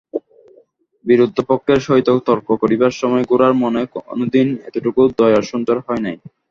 বিরুদ্ধপক্ষের সহিত তর্ক করিবার সময় গোরার মনে কোনদিন এতটুকু দয়ার সঞ্চার হয় নাই।